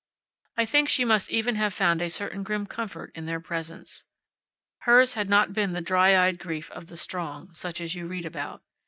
I think she must even have found a certain grim comfort in their presence. Hers had not been the dry eyed grief of the strong, such as you read about.